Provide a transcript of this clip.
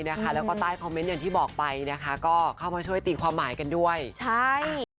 แล้วมึงตระเป็นชะมัดที่บอกไปนะคะก็เข้ามาช่วยติดความหมายกันด้วยใช่